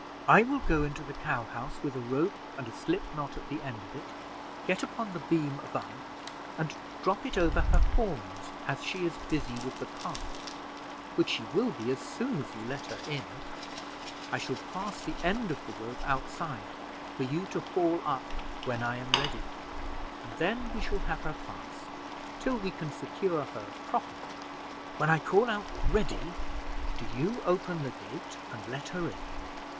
I will go into the cow house with a rope and a slip knot at the end of it, get upon the beam above, and drop it over her horns as she's busy with the calf, which she will be as soon as you let her in. I shall pass the end of the rope outside for you to haul up when I am ready, and then we shall have her fast, till we can secure her properly. When I call out Ready, do you open the gate and let her in.